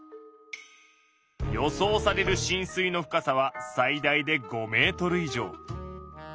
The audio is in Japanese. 予想されるしん水の深さは最大で５メートル以上。